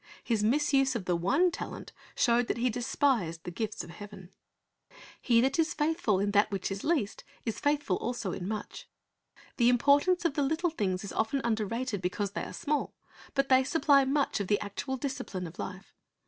His misuse of the one talent showed that he despised the gifts of heaven. 356 Christ's Object Lessons "He that is faithful in that which is least is faithful also in much."* The importance of the little things is often underrated because they are small ; but they supply much of the actual discipline of life.